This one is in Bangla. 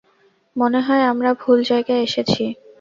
মনে হয় আমরা ভুল জায়গায় এসেছি।